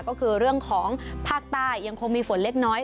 ก็คือเรื่องของภาคใต้ยังคงมีฝนเล็กน้อย